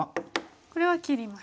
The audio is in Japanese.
これは切ります。